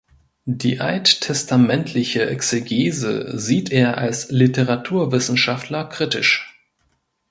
Die alttestamentliche Exegese sieht er als Literaturwissenschaftler kritisch.